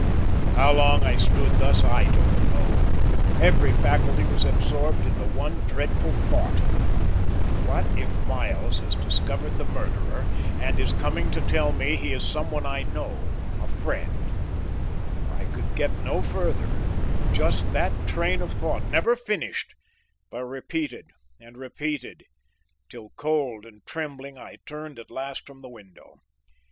How long I stood thus I don't know; every faculty was absorbed in the one dreadful thought: "What if Miles has discovered the murderer and is coming to tell me he is some one I know, a friend" I could get no further, just that train of thought, never finished, but repeated and repeated, till cold and trembling I turned at last from the window.